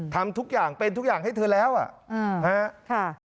ทำทุกอย่างเป็นทุกอย่างให้เธอแล้วอ่ะฮะ